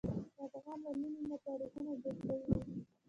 د افغان له مینې نه تاریخونه جوړ شوي دي.